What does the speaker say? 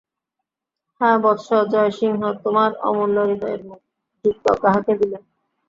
হা বৎস জয়সিংহ, তোমার অমূল্য হৃদয়ের যুক্ত কাহাকে দিলে!